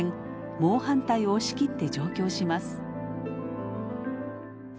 猛反対を押し切って上京します。